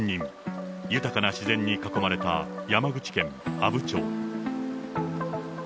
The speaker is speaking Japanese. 豊かな自然に囲まれた山口県阿武町。